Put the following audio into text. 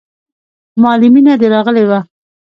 مالې مينه دې راغلې وه.